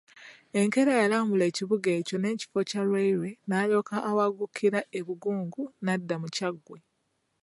Enkeera yalambula ekibuga ekyo n'ekifo kya railway n'alyoka awungukira e Bugungu n'adda mu Kyaggwe.